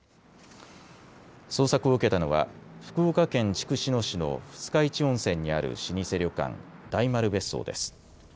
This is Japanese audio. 捜索を受けたのは福岡県筑紫野市の二日市温泉にある老舗旅館、大丸別荘です。